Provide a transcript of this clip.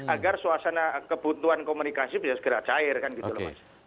agar suasana kebutuhan komunikasi bisa segera cair kan gitu loh mas